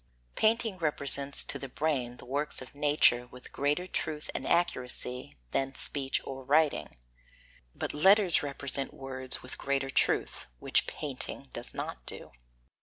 10. Painting represents to the brain the works of nature with greater truth and accuracy than speech or writing, but letters represent words with greater truth, which painting does not do.